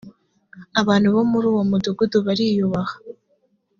abantu bo muri uwo mudugudu bariuyubaha